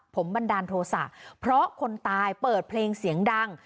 ผมบันดาลโทษะเพราะคนตายเปิดเพลงเสียงดัง